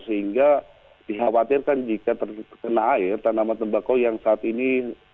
sehingga dikhawatirkan jika terkena air tanaman tembakau yang saat ini